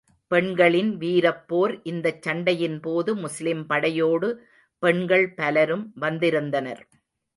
பெண்களின் வீரப் போர் இந்தச் சண்டையின் போது, முஸ்லிம் படையோடு பெண்கள் பலரும் வந்திருந்தனர்.